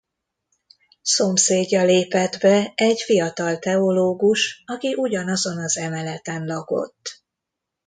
Szomszédja lépett be, egy fiatal teológus, aki ugyanazon az emeleten lakott.